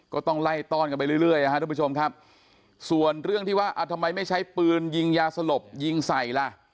ก็ต้องไล่ต้อนกันไปเรื่อยนะครับทุกผู้ชมครับส่วนเรื่องที่ว่าทำไมไม่ใช้ปืนยิงยาสลบยิงใส่ล่ะ